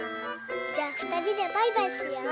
じゃあふたりでバイバイしよう。